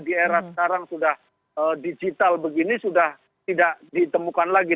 di era sekarang sudah digital begini sudah tidak ditemukan lagi